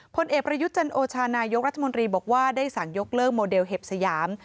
พลเอกประยุทธ์จันโอชานายกรัฐมนตรีบอกว่าได้สั่งยกเลิกโมเดลเห็บสยาม